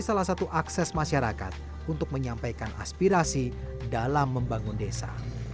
salah satu akses masyarakat untuk menyampaikan aspirasi dalam membangun desa